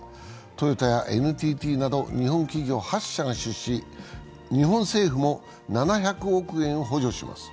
トヨタやＮＴＴなど日本企業８社が出資し日本政府も７００億円補助します。